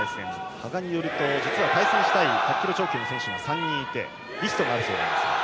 羽賀によると、対戦したい１００キロ超級の選手が３人いて、リストがあるそうです。